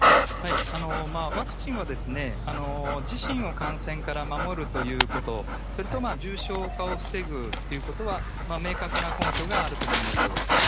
ワクチンは自身を感染から守るということ、それと重症化を防ぐということは、明確な根拠があると思います。